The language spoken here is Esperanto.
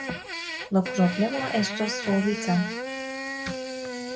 La problemo estas solvita!